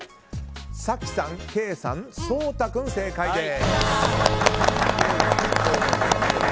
早紀さん、ケイさん、颯太君正解です。